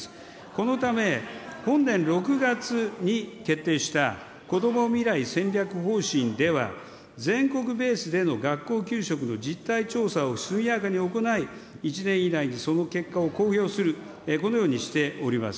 このため、本年６月に決定したこども未来戦略方針では、全国ベースでの学校給食の実態調査を速やかに行い、１年以内にその結果を公表する、このようにしております。